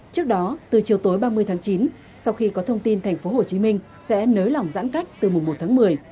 trước đó từ chiều tối ba mươi tháng chín sau khi có thông tin tp hcm sẽ nới lỏng giãn cách từ mùng một tháng một mươi